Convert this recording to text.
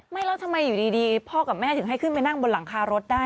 ไม่แล้วทำไมอยู่ดีพ่อกับแม่ถึงให้ขึ้นไปนั่งบนหลังคารถได้